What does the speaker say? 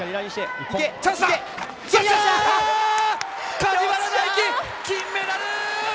梶原大暉、金メダル！